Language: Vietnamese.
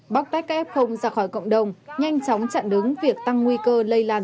bóc test kép không ra khỏi cộng đồng nhanh chóng chặn đứng việc tăng nguy cơ lây lan